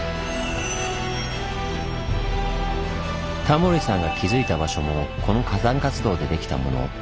タモリさんが気付いた場所もこの火山活動で出来たもの。